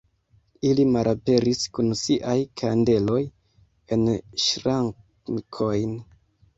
Ili malaperis kun siaj kandeloj en ŝrankojn.